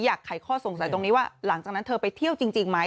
ไขข้อสงสัยตรงนี้ว่าหลังจากนั้นเธอไปเที่ยวจริงไหม